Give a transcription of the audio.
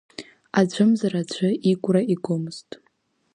Аӡәымзар-аӡәы игәра игомызт.